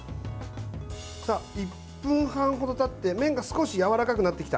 １分半程たって麺が少しやわらかくなってきた。